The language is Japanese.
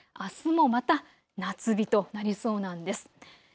あすもまた夏日となりそうなんです。